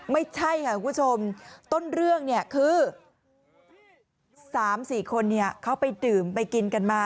ไม่ใช่ค่ะคุณผู้ชมต้นเรื่องเนี่ยคือ๓๔คนเขาไปดื่มไปกินกันมา